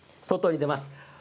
外に出ます。